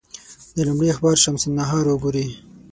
د لومړي اخبار شمس النهار وګوري.